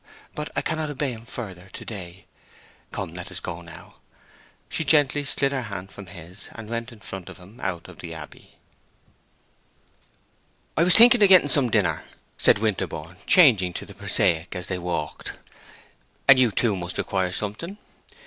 But I cannot obey him further to day. Come, let us go now." She gently slid her hand from his, and went in front of him out of the Abbey. "I was thinking of getting some dinner," said Winterborne, changing to the prosaic, as they walked. "And you, too, must require something.